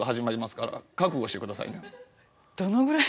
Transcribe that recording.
どのぐらい？